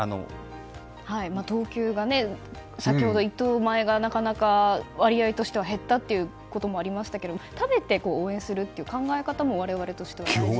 等級が先ほど１等米が割合としては減ったということもありましたが食べて応援するっていう考え方も我々としては大事になりますよね。